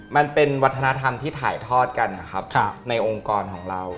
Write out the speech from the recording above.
มันเป็นวัฒนธรรมที่ถ่ายทอดกันนะครับในองค์กรของเรา